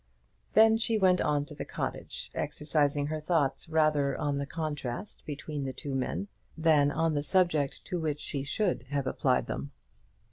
Then she went on to the cottage, exercising her thoughts rather on the contrast between the two men than on the subject to which she should have applied them.